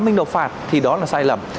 nếu mình đột phạt thì đó là sai lầm